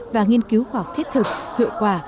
và nghiên cứu khoa học thiết thực hiệu quả